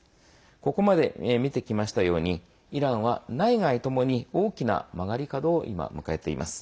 ここまで見てきましたようにイランは内外ともに大きな曲がり角を今、迎えています。